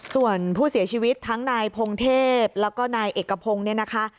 ส่วนผู้เสียชีวิตทั้งนายพงเทพแล้วก็นายเอกพงศ์เนี่ยนะคะ